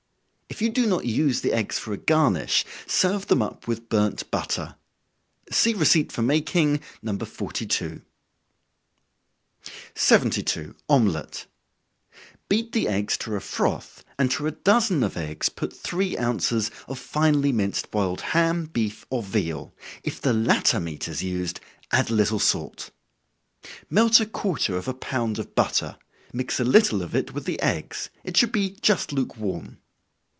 If you do not use the eggs for a garnish, serve them up with burnt butter. See receipt for making, No. 42. 72. Omelet. Beat the eggs to a froth, and to a dozen of eggs put three ounces of finely minced boiled ham, beef, or veal; if the latter meat is used, add a little salt. Melt a quarter of a pound of butter, mix a little of it with the eggs it should be just lukewarm.